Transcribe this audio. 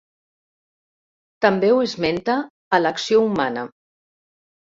També ho esmenta a "L'acció humana".